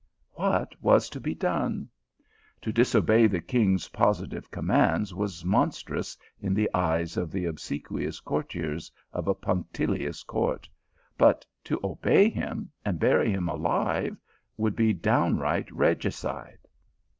What was to be done ? To disobey the king s positive THE ROSE OF THE ALHAMBRA. 237 commands was monstrous in the eyes of the obse quious courtiers of a punctilious court, but to obey him, and bury him alive, would be downrigth regi cide